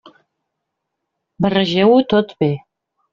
Barregeu-ho tot bé.